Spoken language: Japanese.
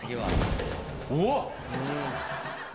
うわっ！